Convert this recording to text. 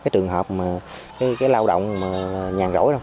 trường hợp mà cái lao động nhàn rỗi đâu